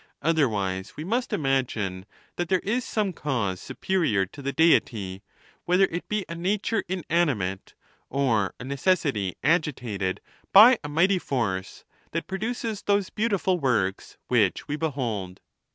Otherwise, we must imagine that there is some cause superior to the Deity, whether it be a nature inanimate, or a necessity agitated by a mighty force, that produces those beautiful works which we behold.